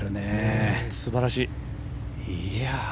素晴らしい。